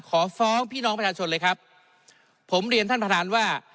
ขอฟ้องพี่น้องประชาชนเลยครับผมเรียนท่านประธานว่า